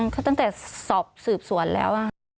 เขาตั้งแต่สอบสื่อประดาษสวนแล้ว